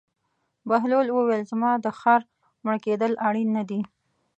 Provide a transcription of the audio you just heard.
بهلول وویل: زما د خر مړه کېدل اړین نه دي.